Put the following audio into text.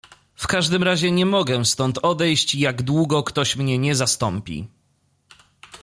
"W każdym razie nie mogę stąd odejść, jak długo ktoś mnie nie zastąpi."